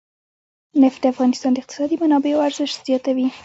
نفت د افغانستان د اقتصادي منابعو ارزښت زیاتوي.